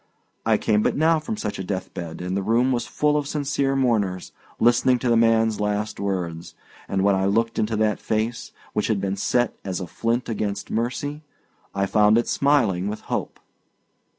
I came but now from such a death bed, and the room was full of sincere mourners, listening to the man's last words; and when I looked into that face, which had been set as a flint against mercy, I found it smiling with hope."